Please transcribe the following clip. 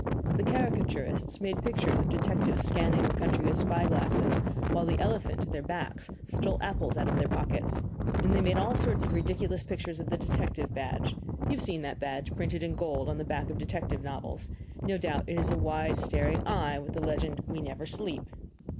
The caricaturists made pictures of detectives scanning the country with spy glasses, while the elephant, at their backs, stole apples out of their pockets. And they made all sorts of ridiculous pictures of the detective badge you have seen that badge printed in gold on the back of detective novels no doubt, it is a wide staring eye, with the legend, "WE NEVER SLEEP."